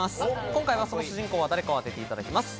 今回はその主人公は誰かを当てていただきます。